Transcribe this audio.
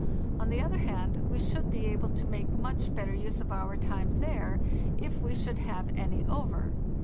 On the other hand, we should be able to make much better use of our time there, if we should have any over.